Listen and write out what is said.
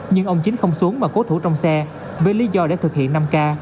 nhưng ông chính không xuống mà cố thủ trong xe với lý do để thực hiện năm k